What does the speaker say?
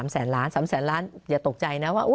สามแสนล้านอย่าตกใจว่า